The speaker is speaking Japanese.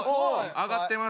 挙がってます。